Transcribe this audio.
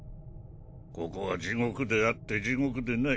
ここは地獄であって地獄でない。